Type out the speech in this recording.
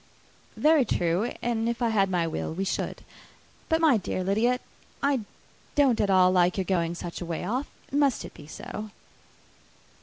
"Very true; and if I had my will we should. But, my dear Lydia, I don't at all like your going such a way off. Must it be so?"